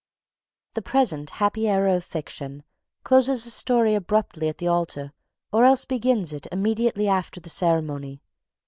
The present happy era of fiction closes a story abruptly at the altar or else begins it immediately after the ceremony.